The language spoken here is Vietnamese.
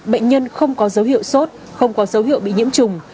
bệnh nhân không có dấu hiệu sốt không có dấu hiệu bị nhiễm trùng